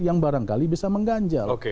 yang barangkali bisa mengganjal